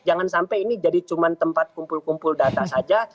jangan sampai ini jadi cuma tempat kumpul kumpul data saja